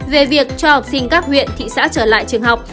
về việc cho học sinh các huyện thị xã trở lại trường học